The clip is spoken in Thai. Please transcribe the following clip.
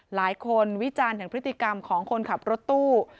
วิจารณ์ถึงพฤติกรรมของคนขับรถตู้